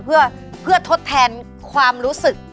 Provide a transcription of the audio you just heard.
เพื่อทดแทนความรู้สึก